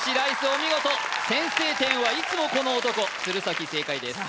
お見事先制点はいつもこの男鶴崎正解です